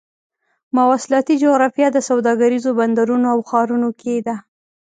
مواصلاتي جغرافیه د سوداګریزو بندرونو او ښارونو کې ده.